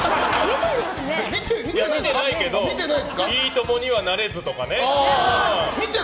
見てないけど「いいとも！」にはなれずとかね。